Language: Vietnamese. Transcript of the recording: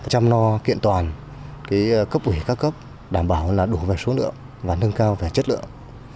chăm no kiện toàn cấp ủy các cấp đảm bảo đủ về số lượng và nâng cao về chất lượng